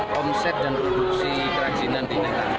konsep dan produksi kerajinan di negara